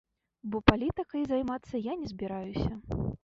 Бо палітыкай займацца я не збіраюся.